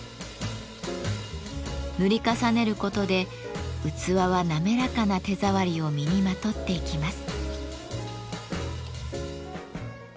塗り重ねることで器は滑らかな手触りを身にまとっていきます。